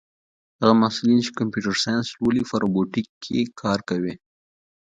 هغه محصلین چې کمپیوټر ساینس لولي په روبوټیک کې کار کوي.